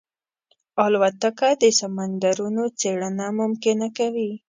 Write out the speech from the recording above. الوتکه د سمندرونو څېړنه ممکنه کوي.